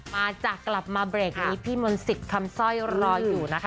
มาจากกลับมาเบรกในนี้พี้มนศิษย์คำซ่อยรออยู่นะคะ